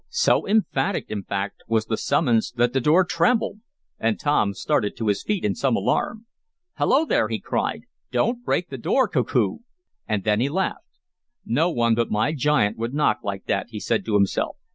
So emphatic, in fact, was the summons that the door trembled, and Tom started to his feet in some alarm. "Hello there!" he cried. "Don't break the door, Koku!" and then he laughed. "No one but my giant would knock like that," he said to himself.